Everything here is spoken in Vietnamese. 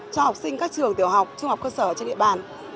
cho học sinh các trường tiểu học trung học cơ sở trên địa bàn